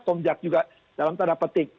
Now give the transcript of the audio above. komjak juga dalam tanda petik